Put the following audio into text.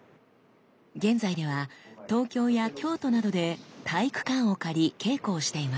現在では東京や京都などで体育館を借り稽古をしています。